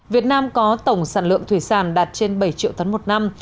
việt nam có tổng sản lượng thủy sản đạt trên bảy triệu tấn một năm